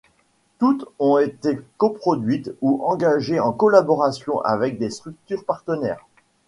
Toutes ont été co-produites ou engagées en collaborations avec des structures partenaires.